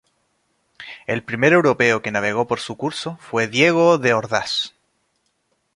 El primer europeo que navegó por su curso fue Diego de Ordaz.